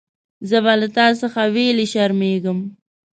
زه به له تا څخه ویلي شرمېږم.